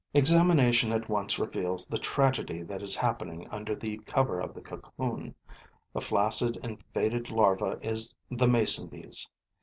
Examination at once reveals the tragedy that is happening under the cover of the cocoon. The flacid and faded larva is the mason bee's.